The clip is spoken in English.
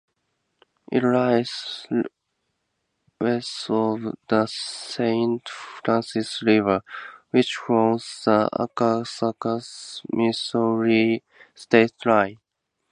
It lies west of the Saint Francis River, which forms the Arkansas-Missouri state line.